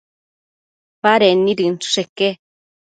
Baded nid inchësheque